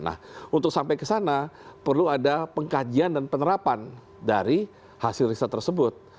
nah untuk sampai ke sana perlu ada pengkajian dan penerapan dari hasil riset tersebut